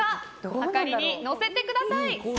はかりに乗せてください！